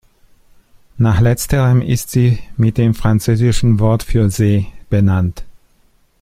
Nach letzterem ist sie mit dem französischen Wort für „See“ benannt.